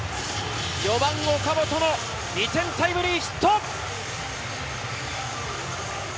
４番・岡本、２点タイムリーヒット！